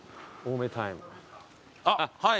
あっはい。